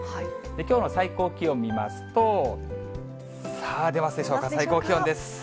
きょうの最高気温見ますと、さあ、出ますでしょうか、最高気温です。